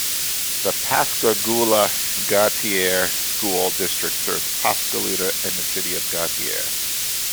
The Pascagoula-Gautier School District serves Pascagoula and the City of Gautier.